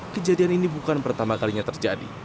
kejadian ini bukan pertama kalinya terjadi